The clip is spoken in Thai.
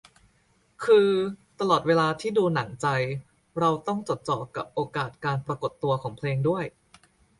คือตลอดเวลาที่ดูหนังใจเราต้องจดจ่อกับโอกาสการปรากฏตัวของเพลงด้วย